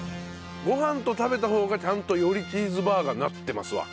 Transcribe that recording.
ご飯と食べた方がちゃんとよりチーズバーガーになってますわ。